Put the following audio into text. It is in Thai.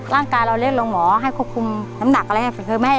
ร่างกายเราเล่นลงหมอให้ควบคุมน้ำหนักอะไรให้